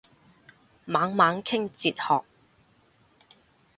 猛猛傾哲學